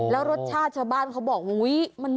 แล้วรสชาติเฉินบ้านเขาบอกมันหวาน